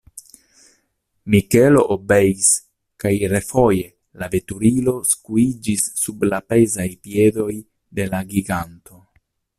Mikelo obeis kaj refoje la veturilo skuiĝis sub la pezaj piedoj de la giganto.